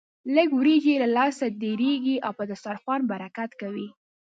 لږ وريجې يې له لاسه ډېرېږي او په دسترخوان برکت کوي.